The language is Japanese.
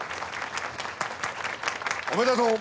・おめでとう。